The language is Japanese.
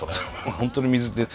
本当に水でね。